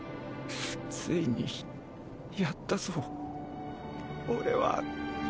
ついにやったぞ俺は。